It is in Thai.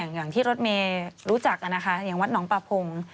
อย่างที่รถเมย์รู้จักนะคะอย่างวัดหนองปะพง